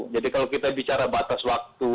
jadi kalau kita bicara batas waktu